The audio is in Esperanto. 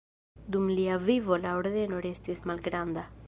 Dum lia vivo la ordeno restis malgranda.